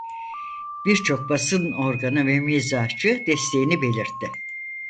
Birçok basın organı ve mizahçı desteğini belirtti.